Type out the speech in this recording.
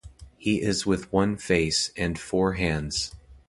He is with one face and four hands.